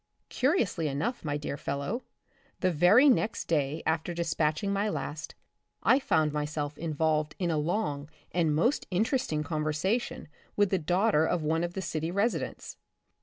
Curiously enough, my dear fellow, the very next day after dispatching my last, I found my self involved in a long and most interesting conversation with the daughter of one of the city residents.